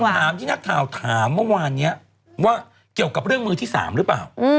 คำถามที่นักข่าวถามเมื่อวานนี้ว่าเกี่ยวกับเรื่องมือที่๓หรือเปล่า